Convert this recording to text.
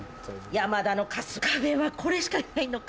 ヤマダの春日部はこれしかいないのか。